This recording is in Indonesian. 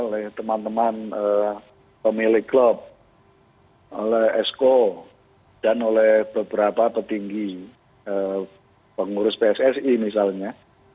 oleh teman teman pemilik klub oleh esko dan oleh beberapa petinggi pengurus pssi misalnya